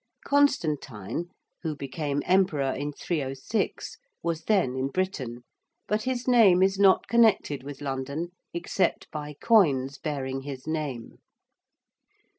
Constantine, who became emperor in 306, was then in Britain, but his name is not connected with London except by coins bearing his name.